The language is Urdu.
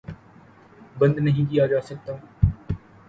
بند نہیں کیا جا سکتا